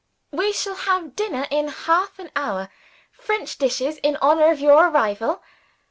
"We shall have dinner in half an hour. French dishes, in honor of your arrival.